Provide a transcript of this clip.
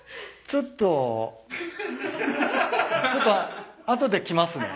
ちょっと後で来ますね。